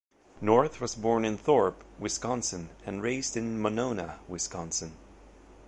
North was born in Thorp, Wisconsin, and raised in Monona, Wisconsin.